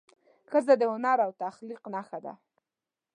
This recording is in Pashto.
ښځه د هنر او تخلیق نښه ده.